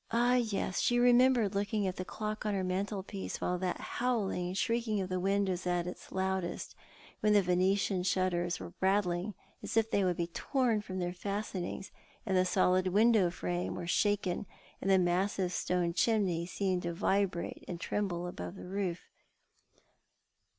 Yes, she remembered looking at the clock on her mantelpiece while that howling and shrieking of the wind was loudest, when the Venetian shutters were rattling as if they would be torn from their fastenings, and the solid window frames were shaken, and the massive stone chimney seemed to vibrate and tremble above the roof.